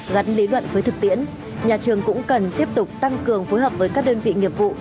gắn lý luận với thực tiễn nhà trường cũng cần tiếp tục tăng cường phối hợp với các đơn vị nghiệp vụ